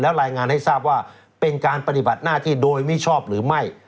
รายงานให้ทราบว่าเป็นการปฏิบัติหน้าที่โดยมิชอบหรือไม่